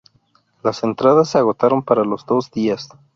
Las entradas se agotaron para los dos días.